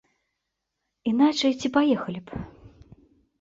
Іначай ці паехалі б?